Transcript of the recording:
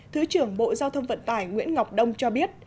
thứ trưởng bộ giao thông vận tải nguyễn ngọc đông cho biết